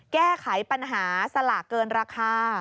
แก้ไขปัญหาสลากเกินราคา